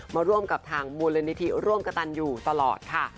มาร่วมกับทางบุรณฐฐีร่วมกะตันยูตลอดค่ะ